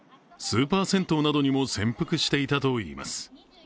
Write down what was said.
スーパー銭湯などにも潜伏していたといいます。